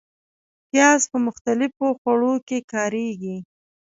پیاز په مختلفو خوړو کې کارېږي